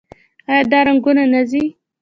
آیا دا رنګونه نه ځي؟